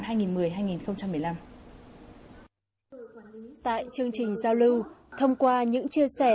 tại chương trình giao lưu thông qua những chia sẻ